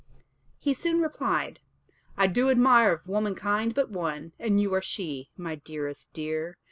He soon replied, "I do admire Of womankind but one, And you are she, my dearest dear.